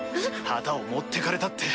旗を持ってかれたって。